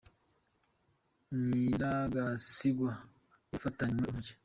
Nyiragasigwa yafatanywe urumogi